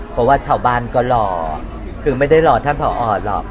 เพราะว่าชาวบ้านก็รอคือไม่ได้รอท่านผอหรอก